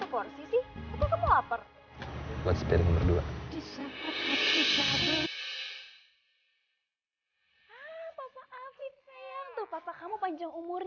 kok satu porsi sih aku kemau lapar